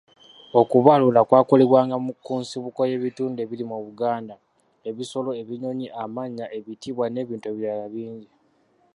Okubaaluula kwakolebwanga ku nsibuko y’ebitundu ebiri mu Buganda, ebisolo, ebinyonyi, amannya, ebitiibwa n’ebintu ebirala bingi.